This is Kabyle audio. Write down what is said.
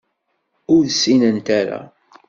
Ur ssinent ara.